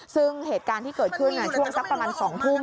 ซึ่งเหตุการณ์ที่เกิดขึ้นช่วงสักประมาณ๒ทุ่ม